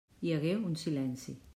Hi hagué un silenci.